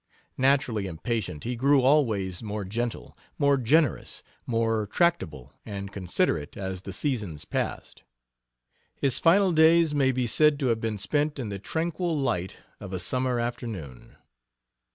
Naturally impatient, he grew always more gentle, more generous, more tractable and considerate as the seasons passed. His final days may be said to have been spent in the tranquil light of a summer afternoon.